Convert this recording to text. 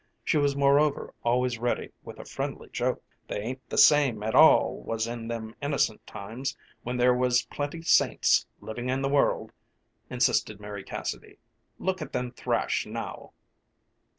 She was moreover always ready with a friendly joke. "They ain't the same at all was in them innocent times, when there was plenty saints living in the world," insisted Mary Cassidy. "Look at them thrash, now!"